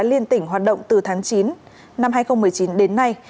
liên tỉnh hoạt động từ tháng chín năm hai nghìn một mươi chín đến nay